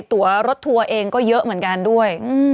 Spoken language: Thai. ตัวรถทัวร์เองก็เยอะเหมือนกันด้วย